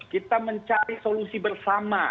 kita mencari solusi bersama